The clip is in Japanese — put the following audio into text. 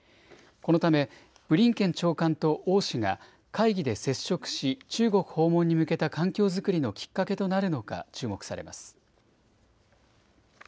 このためブリンケン長官と王氏が会議で接触し、中国訪問に向けた環境作りのきっかけとなるのか注目されます。